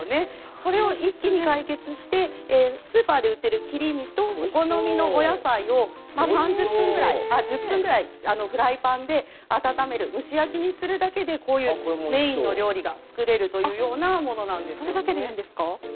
それを一気に解決してスーパーで売っている切り身とお好みのお野菜を１０分ぐらいフライパンで温める蒸し焼きにするだけでこういうメインの料理が作れるというものです。